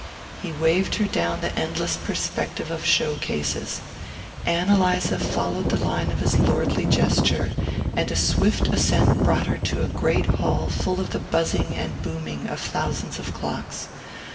He waved her down the endless perspective of show cases. Ann Eliza followed the line of his lordly gesture, and a swift ascent brought her to a great hall full of the buzzing and booming of thousands of clocks.